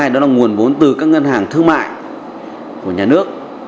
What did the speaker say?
đó là nguồn vốn từ các ngân hàng thương mại của nhà nước